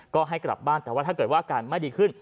ก็ให้กลับบ้านแต่ว่าถ้าเกิดว่าอาการไม่ดีขึ้น